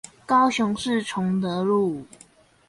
高雄市崇德路